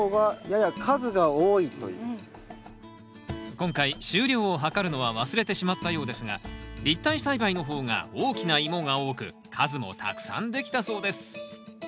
今回収量を量るのは忘れてしまったようですが立体栽培の方が大きなイモが多く数もたくさんできたそうです